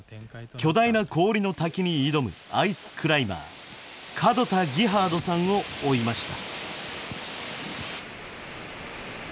巨大な氷の滝に挑むアイスクライマー門田ギハードさんを追いました。